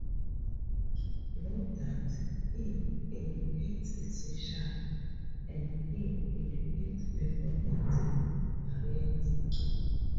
Note that 'e' indicates 'essential' and 'p' indicates 'performance' variants.